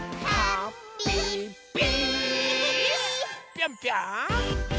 ぴょんぴょん！